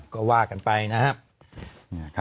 ก็ว่ากันไปนะฮะ